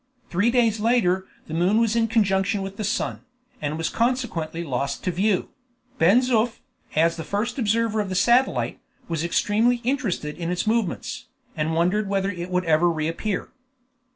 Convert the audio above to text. Three days later the moon was in conjunction with the sun, and was consequently lost to view; Ben Zoof, as the first observer of the satellite, was extremely interested in its movements, and wondered whether it would ever reappear.